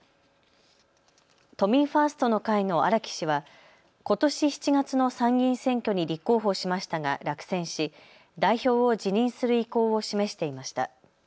都民ファーストの会の荒木氏はことし７月の参議院選挙に立候補しましたが落選し、代表を辞任する意向を示していました。